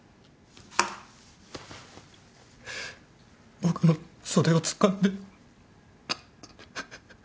僕の袖をつかんで。